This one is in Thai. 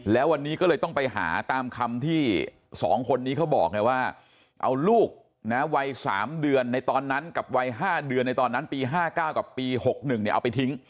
แล้ววันนี้ก็เลยต้องไปหาตามคำที่๒คนนี้เขาบอกไงว่าเอาลูกนะวัย๓เดือนในตอนนั้นกับวัย๕เดือนในตอนนั้นปี๕๙กับปี๖๑เอาไปทิ้ง